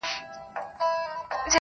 خوب مي دی لیدلی جهاني ریشتیا دي نه سي؛